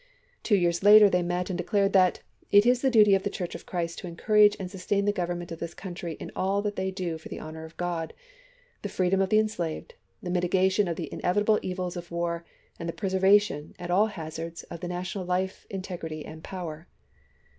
Two years later they met and declared that —" It is the duty of the Church of Christ to encourage and sustain the Grovernment of the country in all that they do for the honor of God, the freedom of the enslaved, the mitigation of the inevitable evils of war, and the preservation, at all hazards, of the national life, integrity, and power."